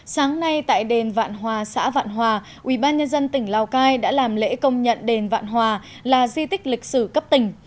sáng nay tại đền vạn hòa xã vạn hòa ubnd tỉnh lào cai đã làm lễ công nhận đền vạn hòa là di tích lịch sử cấp tỉnh